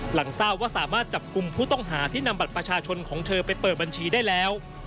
หลังทราบว่าสามารถจับกลุ่มผู้ต้องหาที่นำบัตรประชาชนของเธอไปเปิดบัญชีได้แล้ว